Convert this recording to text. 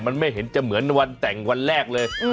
มันไม่เห็นจะเหมือนวันแต่งวันแรกเลย